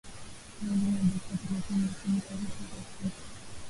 saa mbili na dakika thelathini na tano kwa saa za afrika